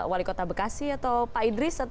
wali kota bekasi atau pak idris atau